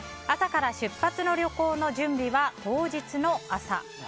朝から出発の旅行の準備は当日の朝。